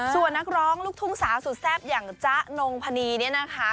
ส่วนนักร้องลูกทุ่งสาวสุดแซ่บอย่างจ๊ะนงพนีเนี่ยนะคะ